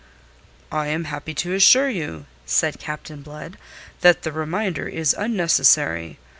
"I am happy to assure you," said Captain Blood, "that the reminder is unnecessary.